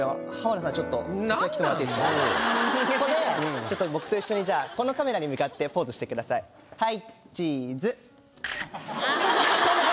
ここで僕と一緒にこのカメラに向かってポーズしてくださいはいチーズ。